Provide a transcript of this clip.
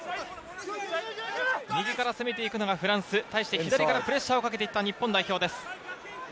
右から攻めていくのがフランス、対して左からプレッシャーをかけていった日本代表です。